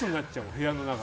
部屋の中。